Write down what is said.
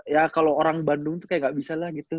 ya kalau orang bandung tuh kayak gak bisa lah gitu